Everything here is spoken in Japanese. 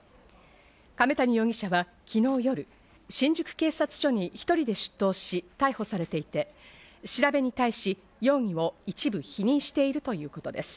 亀谷容疑者は昨日夜、新宿警察署に１人で出頭し逮捕されていて、調べに対し、容疑を一部否認しているということです。